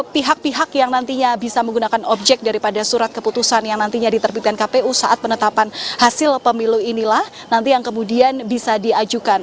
pihak pihak yang nantinya bisa menggunakan objek daripada surat keputusan yang nantinya diterbitkan kpu saat penetapan hasil pemilu inilah nanti yang kemudian bisa diajukan